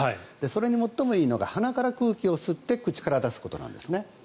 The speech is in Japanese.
それにもっともいいのが鼻から空気を吸って口から出すことなんですね。